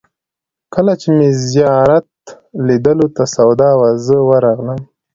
کله چې مې د زیارت لیدلو ته سودا وه، زه ورغلم.